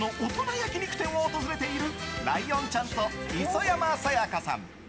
焼き肉店を訪れているライオンちゃんと磯山さやかさん。